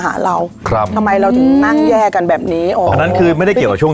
หาเราครับทำไมเราถึงนั่งแย่กันแบบนี้อันนั้นคือไม่ได้เกี่ยวกับช่วง